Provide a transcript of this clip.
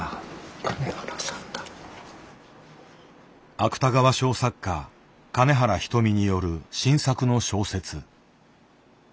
芥川賞作家金原ひとみによる新作の小説。